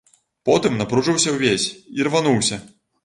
Потым напружыўся ўвесь, ірвануўся.